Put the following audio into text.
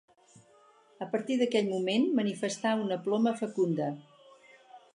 A partir d'aquell moment manifestà una ploma fecunda.